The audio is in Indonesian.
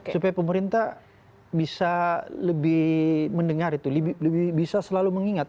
supaya pemerintah bisa lebih mendengar itu lebih bisa selalu mengingat